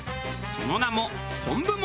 その名も。